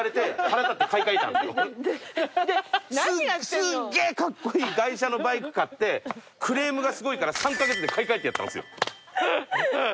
すげぇカッコイイ外車のバイク買ってクレームがすごいから３カ月で買い替えてやったんですよ。